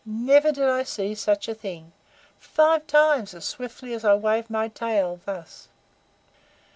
Never did I see such a thing. Five times, as swiftly as I wave my tail thus!"